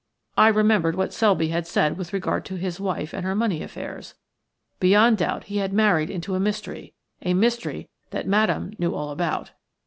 I remembered what Selby had said with regard to his wife and her money affairs. Beyond doubt he had married into a mystery – a mystery that Madame Sara knew all about.